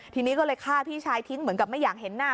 ทีนี้ก็เลยฆ่าพี่ชายทิ้งเหมือนกับไม่อยากเห็นหน้า